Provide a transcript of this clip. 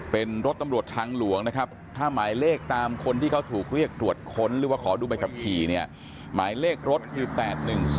เป็นรถตำรวจทางหลวงนะครับถ้าหมายเลขตามคนที่เขาถูกเรียกตรวจค้นหรือว่าขอดูใบขับขี่เนี่ยหมายเลขรถคือ๘๑๒